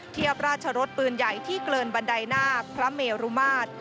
เทียบราชรสปืนใหญ่ที่เกินบันไดหน้าพระเมรุมาตร